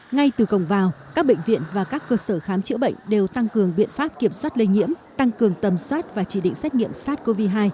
ngay từ cổng vào các bệnh viện và các cơ sở khám chữa bệnh đều tăng cường biện pháp kiểm soát lây nhiễm tăng cường tầm soát và chỉ định xét nghiệm sars cov hai